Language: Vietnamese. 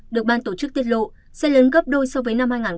được ban tổ chức tiết lộ sẽ lớn gấp đôi so với năm hai nghìn hai mươi ba